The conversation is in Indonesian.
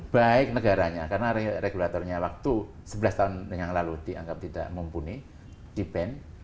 baik negaranya karena regulatornya waktu sebelas tahun yang lalu dianggap tidak mumpuni di ban